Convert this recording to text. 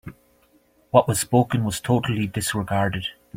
What was spoken was totally disregarded.